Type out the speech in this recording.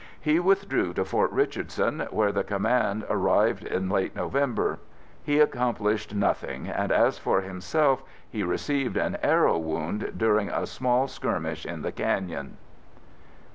He withdrew to Fort Richardson where the command arrived in late November. He accomplished nothing and as for himself, he received an arrow wound during a small skirmish in the canyon.